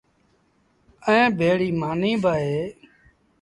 ائيٚݩٚ ڀيڙيٚ مآݩيٚ با اهي۔